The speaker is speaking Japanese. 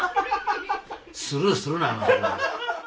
スルーするなよ。